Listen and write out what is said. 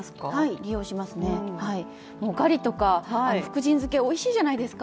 利用しますね、ガリとか福神漬、おいしいじゃないですか。